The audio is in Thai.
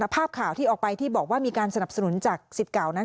ภาพข่าวที่ออกไปที่บอกว่ามีการสนับสนุนจากสิทธิ์เก่านั้น